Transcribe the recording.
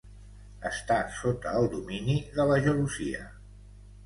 Està sota el domini de la gelosia.